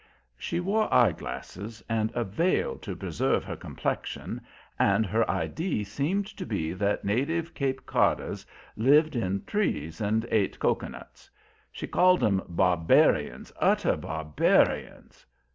She wore eye glasses and a veil to "preserve her complexion," and her idee seemed to be that native Cape Codders lived in trees and ate cocoanuts. She called 'em "barbarians, utter barbarians."